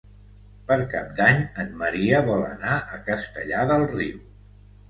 Per Cap d'Any en Maria vol anar a Castellar del Riu.